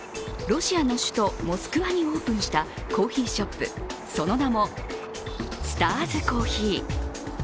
ロシアの首都モスクワにオープンしたコーヒーショップ、その名もスターズコーヒー。